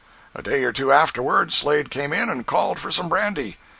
A day or two afterward Slade came in and called for some brandy.